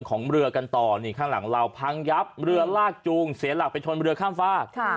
ของเรือกันต่อนี่ข้างหลังเราพังยับเรือลากจูงเสียหลักไปชนเรือข้ามฝาก